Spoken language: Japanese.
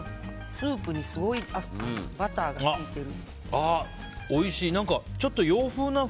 スープにすごいバターが効いてる。